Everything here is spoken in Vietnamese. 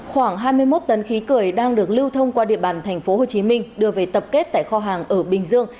khoảng hai mươi một tấn khí cười đang được lưu thông qua địa bàn tp hcm đưa về tập kết tại kho hàng ở bình dương